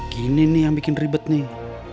gini nih yang bikin ribet nih